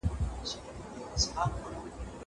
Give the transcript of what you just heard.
زه به سبا د کتابتون کتابونه ولوستم!